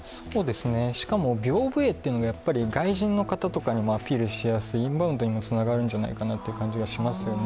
しかもびょうぶ絵というのが外人の方とかにもアピールしやすい、インバウンドにもつながるんじゃないかという気がしますよね。